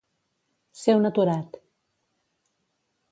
Ser un aturat.